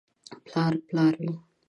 • پلار پلار وي.